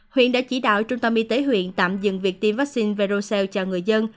huyện đã chỉ đạo trung tâm y tế huyện tạm dừng việc tiêm vaccine verocell cho người dân